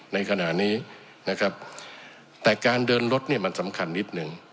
ในขณะนี้นะครับแต่การเดินรถเนี่ยมันสำคัญนิดหนึ่ง